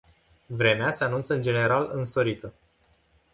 Vremea se anunță în general însorită.